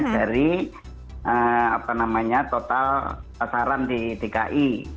dari total pasaran di dki